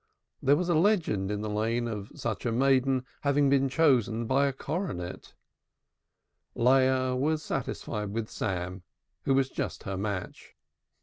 There was a legend in the Lane of such a maiden having been chosen by a coronet; Leah was satisfied with Sam, who was just her match.